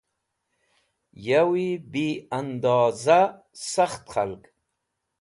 Yawi bi ẽndoza sakht khalg.